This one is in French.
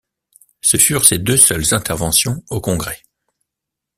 Ce furent ses deux seules interventions au Congrès.